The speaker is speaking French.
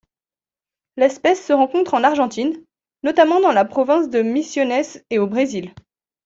L'espèce se rencontre en Argentine, notamment dans la province de Misiones, et au Brésil.